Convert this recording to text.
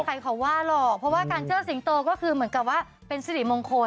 ใครเขาว่าหรอกเพราะว่าการเชิดสิงโตก็คือเหมือนกับว่าเป็นสิริมงคล